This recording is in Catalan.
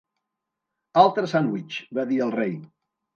"Altre sandvitx!", va dir el rei.